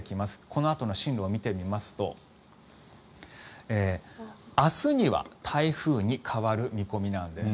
このあとの進路を見てみますと明日には台風に変わる見込みなんです。